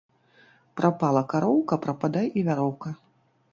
Прапала кароўка, прападай і вяроўка